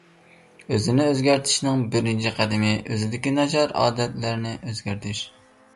ئۆزىنى ئۆزگەرتىشنىڭ بىرىنچى قەدىمى، ئۆزىدىكى ناچار ئادەتلەرنى ئۆزگەرتىش.